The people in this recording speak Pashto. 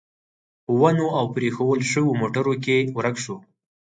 په ونو او پرېښوول شوو موټرو کې ورک شو.